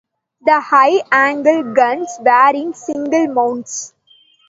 The high-angle guns were in single mounts.